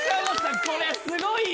これすごいよ！